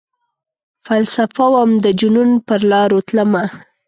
فلسفه وم ،دجنون پرلاروتلمه